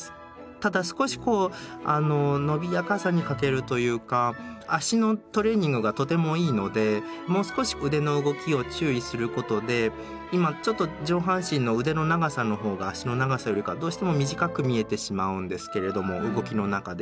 ただ少しこう伸びやかさに欠けるというか足のトレーニングがとてもいいのでもう少し腕の動きを注意することで今ちょっと上半身の腕の長さの方が足の長さよりかはどうしても短く見えてしまうんですけれども動きの中でね。